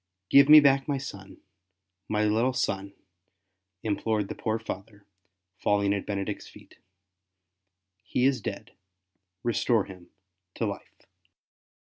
'' Give me back my son, my little son/' implored the poor father, falling at Benedict's feet; ''he is dead, restore him to life."